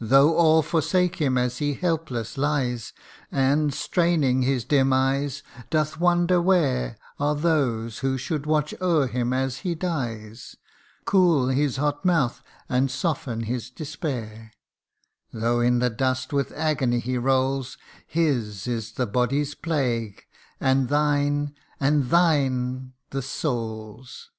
Though all forsake him as he helpless lies, And, straining his dim eyes, doth wonder where Are those who should watch o'er him as he dies, Cool his hot mouth, and soften his despair : Though in the dust with agony he rolls His is the body's plague, and thine, and thine the soul's